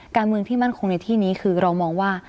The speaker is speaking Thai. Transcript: การเมืองที่มั่นคงในที่นี้คือเรามองว่า